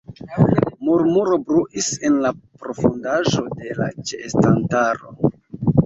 Murmuro bruis en la profundaĵo de la ĉeestantaro.